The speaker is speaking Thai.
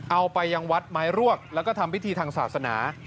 เอาไปยังวัดไม้รวกแล้วก็ทำพิธีทางศาสนา